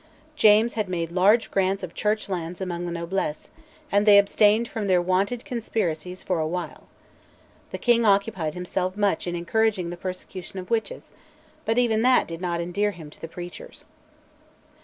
James had made large grants of Church lands among the noblesse, and they abstained from their wonted conspiracies for a while. The king occupied himself much in encouraging the persecution of witches, but even that did not endear him to the preachers.